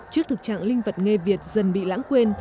trước thực trạng linh vật nghề việt dần bị lãng quên